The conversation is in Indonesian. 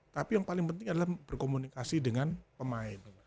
tapi yang paling penting adalah berkomunikasi dengan pemain